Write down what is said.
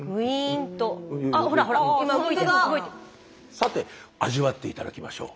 さて味わって頂きましょう。